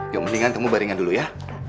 ya mendingan kamu baringan dulu ya